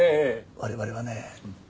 我々はね